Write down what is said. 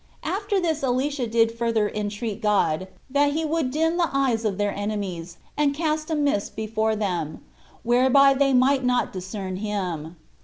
After this Elisha did further entreat God, that he would dim the eyes of their enemies, and cast a mist before them, whereby they might not discern him.